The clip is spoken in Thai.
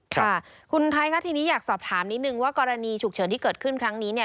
ค่ะคุณไทยค่ะทีนี้อยากสอบถามนิดนึงว่ากรณีฉุกเฉินที่เกิดขึ้นครั้งนี้เนี่ย